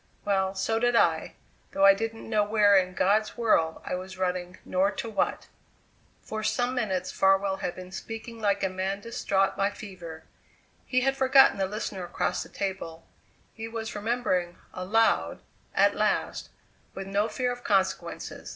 Well, so did I, though I didn't know where in God's world I was running, nor to what." For some minutes Farwell had been speaking like a man distraught by fever. He had forgotten the listener across the table; he was remembering aloud at last, with no fear of consequences.